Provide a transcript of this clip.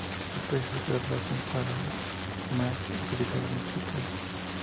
Su peso es otra razón más para utilizar un trípode.